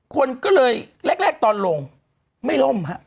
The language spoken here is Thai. คนก็เลยแรกตอนลงไม่ล่มฮะ